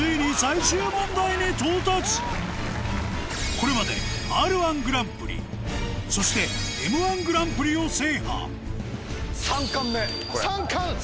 これまで『Ｒ−１ぐらんぷり』そして『Ｍ−１グランプリ』を制覇３冠！